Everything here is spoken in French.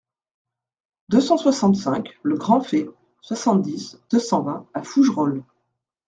deux cent soixante-cinq le Grand Fays, soixante-dix, deux cent vingt à Fougerolles